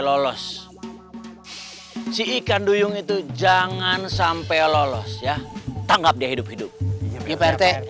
lolos si ikan duyung itu jangan sampai lolos ya tanggap dia hidup hidup iprt